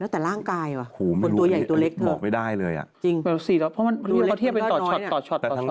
แล้วแต่ร่างกายว่ะคนตัวใหญ่ตัวเล็กเท่าไหร่จริงตัวเล็กก็น้อยกว่า